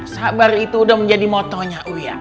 sabar itu udah menjadi motonya uya